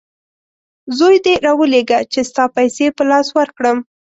زوی دي راولېږه چې ستا پیسې په لاس ورکړم!